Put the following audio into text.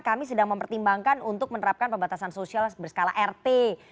kami sedang mempertimbangkan untuk menerapkan pembatasan sosial berskala rt